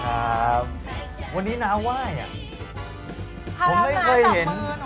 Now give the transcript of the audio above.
หัวหน้ากากมือหนูเห็น